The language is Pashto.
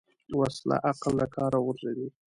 وسله عقل له کاره غورځوي